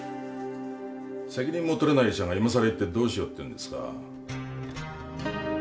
責任も取れない医者が今さら行ってどうしようというんです？